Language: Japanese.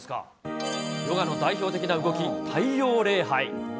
ヨガの代表的な動き、太陽礼拝。